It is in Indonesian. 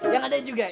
yang ada juga